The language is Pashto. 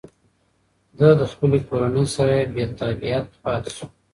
ده د خپلې کورنۍ سره بېتابعیت پاتې شو.